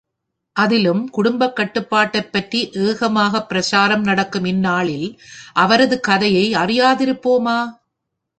அதிலும் குடும்பக் கட்டுப்பாட்டைப் பற்றி ஏகமாகப் பிரசாரம் நடக்கும் இந்நாளில் அவரது கதையை அறியாதிருப்போமா?